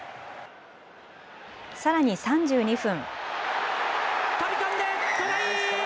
さらに３２分。